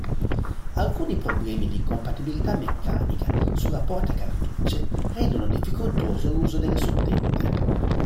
Alcuni problemi di incompatibilità meccanica sulla porta cartucce rendono difficoltoso l'uso delle suddette.